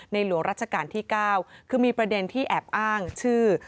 หลวงรัชกาลที่๙คือมีประเด็นที่แอบอ้างชื่อ